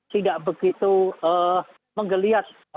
tidak begitu menggeliat